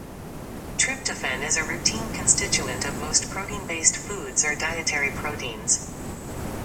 Tryptophan is a routine constituent of most protein-based foods or dietary proteins.